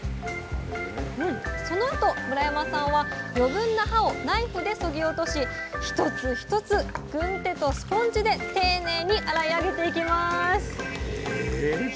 そのあと村山さんは余分な葉をナイフでそぎ落とし一つ一つ軍手とスポンジで丁寧に洗い上げていきます